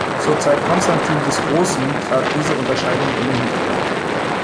Zur Zeit Konstantins des Großen trat diese Unterscheidung in den Hintergrund.